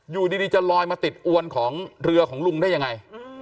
อยู่ดีจะลอยมาติดอวนของเรือของลุงได้ยังไง